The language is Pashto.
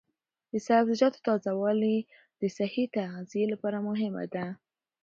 د سبزیجاتو تازه والي د صحي تغذیې لپاره مهمه ده.